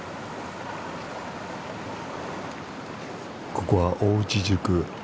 ここは大内宿。